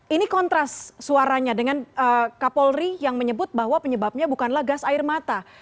ini kontras suaranya dengan kapolri yang menyebut bahwa penyebabnya bukanlah gas air mata